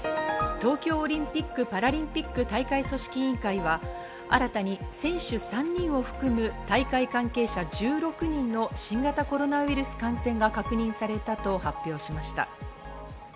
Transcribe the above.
東京オリンピック・パラリンピック大会組織委員会は新たに選手３人を含む大会関係者１６人の新型コロナウイルス感染が確認されたと発表しました。